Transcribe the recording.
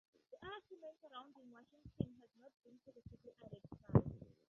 The other two men surrounding Washington have not been positively identified.